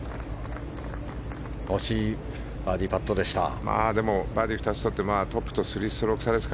欲しいバーディーパットでした。